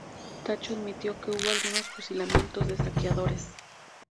Tacho admitió que hubo algunos fusilamientos de saqueadores.